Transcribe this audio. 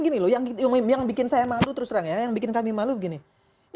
gini yang gitu yang bikin saya malu terus terang yang bikin kami malu begini ya